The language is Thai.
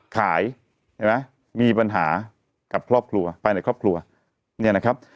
ขายเห็นไหมมีปัญหากับครอบครัวภายในครอบครัวเนี่ยนะครับ